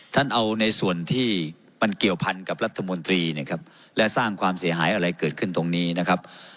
ท่านเอาในส่วนที่มันเกี่ยวพันกับรัฐมนตรีนะครับและสร้างความเสียหายอะไรเกิดขึ้นตรงนี้นะครับ